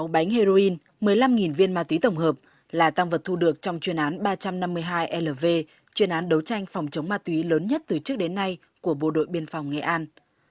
một mươi bánh heroin một mươi năm viên ma túy tổng hợp là tăng vật thu được trong chuyên án ba trăm năm mươi hai lv chuyên án đấu tranh phòng chống ma túy lớn nhất từ trước đến nay của bộ đội biên phòng nghệ an